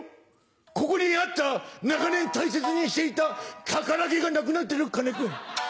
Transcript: ここにあった長年大切にしていた宝毛がなくなってるよ金井君」。